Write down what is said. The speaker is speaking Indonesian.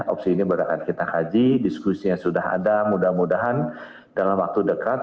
opsi ini baru akan kita kaji diskusinya sudah ada mudah mudahan dalam waktu dekat